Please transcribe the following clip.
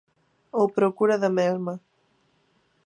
Ou procura da mesma.